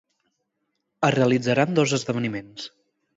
Es realitzaran dos esdeveniments.